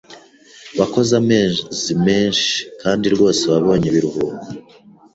Wakoze amezi menshi kandi rwose wabonye ibiruhuko.